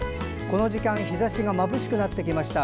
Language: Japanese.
この時間、日ざしがまぶしくなってきました。